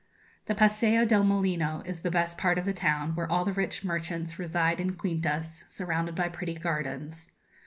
The Paseo del Molino is the best part of the town, where all the rich merchants reside in quintas, surrounded by pretty gardens.